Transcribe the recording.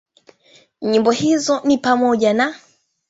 Nyimbo hizo ni pamoja na;